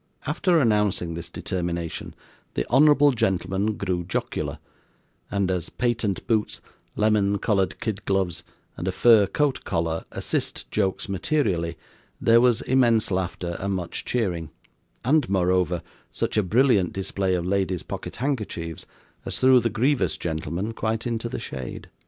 After announcing this determination, the honourable gentleman grew jocular; and as patent boots, lemon coloured kid gloves, and a fur coat collar, assist jokes materially, there was immense laughter and much cheering, and moreover such a brilliant display of ladies' pocket handkerchiefs, as threw the grievous gentleman quite into the shade.